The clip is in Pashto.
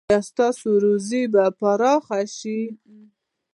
ایا ستاسو روزي به پراخه شي؟